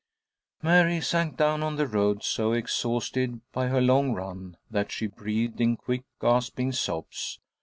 Mary sank down on the road, so exhausted by her long run that she breathed in quick, gasping sobs.